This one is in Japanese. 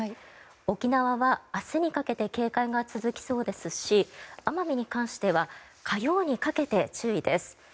沖縄は、明日にかけて警戒が続きそうですし奄美に関しては火曜にかけて注意です。